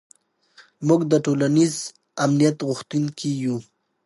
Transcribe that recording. موږ د ټولنیز امنیت غوښتونکي یو.